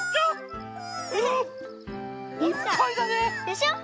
でしょ？